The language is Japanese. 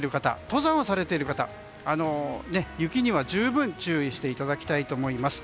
登山をされている方雪には十分注意していただきたいと思います。